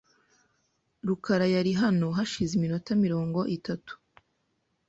rukara yari hano hashize iminota mirongo itatu .